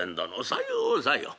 「さようさよう。